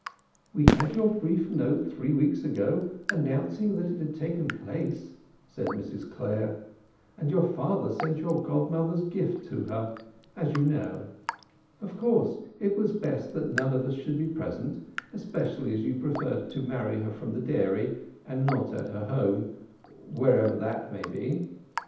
"We had your brief note three weeks ago announcing that it had taken place," said Mrs Clare, "and your father sent your godmother's gift to her, as you know. Of course it was best that none of us should be present, especially as you preferred to marry her from the dairy, and not at her home, wherever that may be.